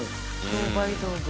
「商売道具。